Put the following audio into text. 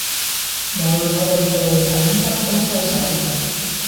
無論我哋做緊乜都收手